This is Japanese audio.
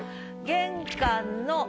「玄関の」